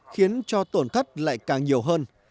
khiến cho tổn thất lại càng nhiều hơn